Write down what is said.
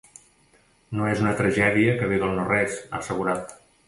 No és una tragèdia que ve del no-res, ha assegurat.